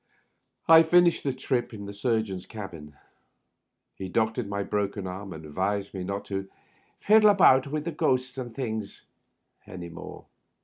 I finished the trip in the surgeon's cabin. He doc tored my broken arm, and advised me not to "fiddle about with ghosts and things '' any more.